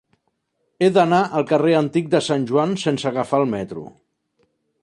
He d'anar al carrer Antic de Sant Joan sense agafar el metro.